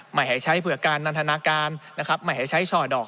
ไม่ใช้ผลการนันทนาการไม่ใช้ช่อดอก